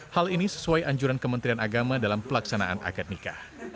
hal ini sesuai anjuran kementerian agama dalam pelaksanaan akad nikah